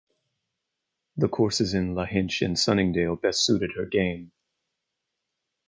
The courses in Lahinch and Sunningdale best suited her game.